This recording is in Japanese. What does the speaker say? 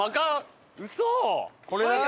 嘘！